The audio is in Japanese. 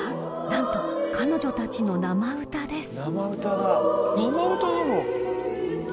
何と彼女たちの生歌です］